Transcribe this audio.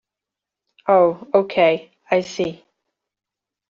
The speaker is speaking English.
Oh okay, I see.